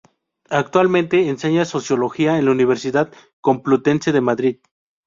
Actualmente enseña sociología en la Universidad Complutense de Madrid.